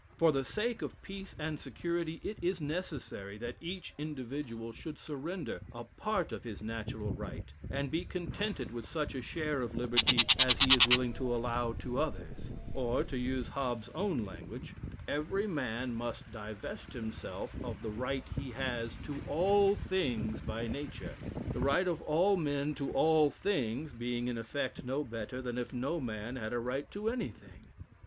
For the sake of peace and security, it is necessary that each individual should surrender a part of his natural right, and be contented with such a share of liberty as he is willing to allow to others; or, to use Hobbes's own language, "every man must divest himself of the right he has to all things by nature; the right of all men to all things, being in effect no better than if no man had a right to anything."